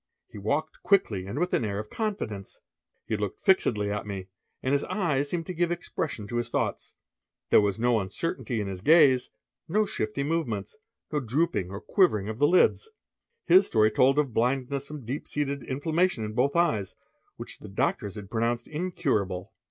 He walked quickly and with an air of confidence. He looked fixedly at me, and his eyes seemed to give expression to his thoughts. There was no uncertainty in his gaze, no shifty movements, no drooping or quivering of the lids. His story told of blindness from deep seated inflammation in both eyes, which the doctors had pronounced incurable.